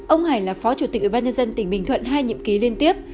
ông hải là phó chủ tịch ủy ban nhân dân tỉnh bình thuận hai nhiệm ký liên tiếp